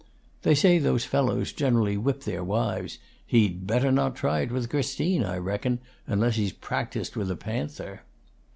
"They say those fellows generally whip their wives. He'd better not try it with Christine, I reckon, unless he's practised with a panther."